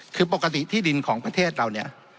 คือปกติที่ดินของประเทศเราเนี่ย